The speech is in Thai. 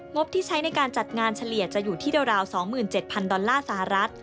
บที่ใช้ในการจัดงานเฉลี่ยจะอยู่ที่ราว๒๗๐๐ดอลลาร์สหรัฐ